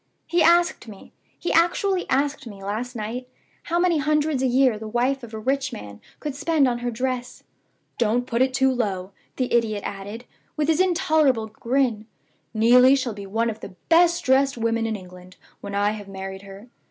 He asked me he actually asked me, last night how many hundreds a year the wife of a rich man could spend on her dress. 'Don't put it too low,' the idiot added, with his intolerable grin. 'Neelie shall be one of the best dressed women in England when I have married her.